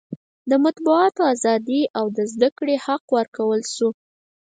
د مطبوعاتو ازادي او د زده کړې حق ورکړل شو.